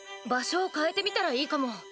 場所を変えてみたらいいかも。